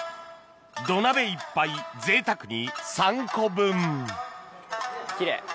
土鍋いっぱいぜいたくに３個分奇麗！